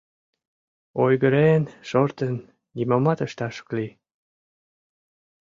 Ойгырен, шортын, нимомат ышташ ок лий...